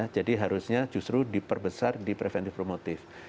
jadi harusnya justru diperbesar di preventif promotif